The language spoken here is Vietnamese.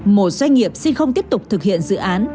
một doanh nghiệp xin không tiếp tục thực hiện dự án